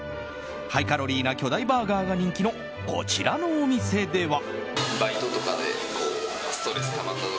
ハイカロリーな巨大バーガーが人気のこちらのお店では。